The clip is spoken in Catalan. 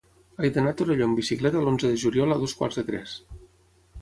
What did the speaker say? He d'anar a Torelló amb bicicleta l'onze de juliol a dos quarts de tres.